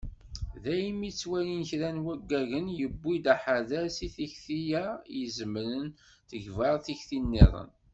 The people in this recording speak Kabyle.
Daymi i ttwalin kra n waggagen, yewwi-d aḥader seg tikti-a i izemren tegber tikti-nniḍen.